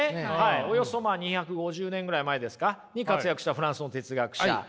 およそ２５０年ぐらい前ですか？に活躍したフランスの哲学者。